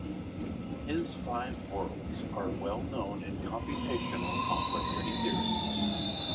His "five worlds" are well known in computational complexity theory.